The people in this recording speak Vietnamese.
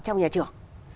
trong nhà trường